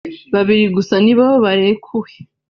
babiri gusa nibo barekuwe